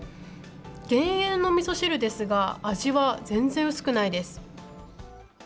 減塩のおみそ汁ですが、味は全然薄くないです。